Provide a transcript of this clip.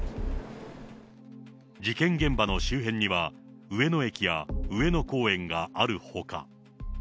事件現場の周辺には、上野駅や上野公園があるほか。